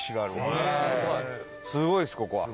伊達：すごいです、ここは。